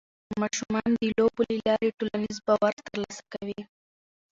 ماشومان د لوبو له لارې ټولنیز باور ترلاسه کوي.